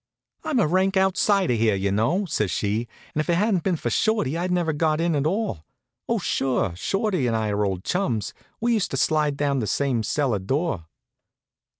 "I'm a rank outsider here, you know," says she, "and if it hadn't been for Shorty I'd never got in at all. Oh, sure, Shorty and I are old chums. We used to slide down the same cellar door."